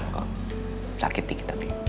aman kok sakit dikit tapi